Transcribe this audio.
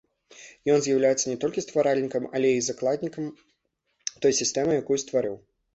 Ён з'яўляецца не толькі стваральнікам, але і закладнікам той сістэмы, якую стварыў.